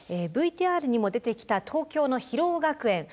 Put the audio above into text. ＶＴＲにも出てきた東京の広尾学園